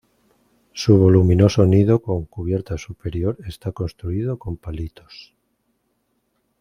Su voluminoso nido con cubierta superior está construido con palitos.